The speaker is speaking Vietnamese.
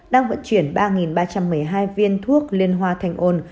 đang vận chuyển ba ba trăm một mươi hai viên thuốc liên hoa thanh ôn